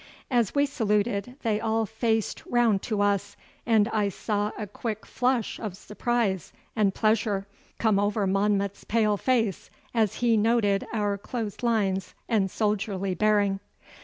As we saluted they all faced round to us, and I saw a quick flush of surprise and pleasure come over Monmouth's pale face as he noted our close lines and soldierly bearing.